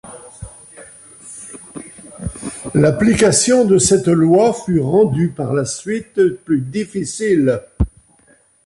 L'application de cette loi fut rendue, par la suite, plus difficile.